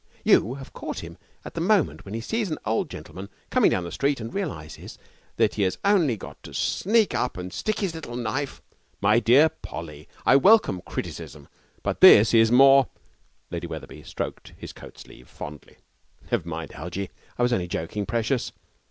You have caught him at the moment when he sees an old gentleman coming down the street and realizes that he has only got to sneak up and stick his little knife ' 'My dear Polly, I welcome criticism, but this is more ' Lady Wetherby stroked his coat sleeve fondly. 'Never mind, Algie, I was only joking, precious.